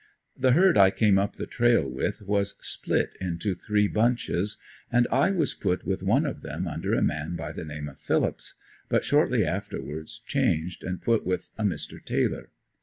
The herd I came up the trail with was split into three bunches and I was put with one of them under a man by the name of Phillups, but shortly afterwards changed and put with a Mr. Taylor.